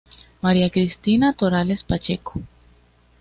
María Cristina Torales Pacheco.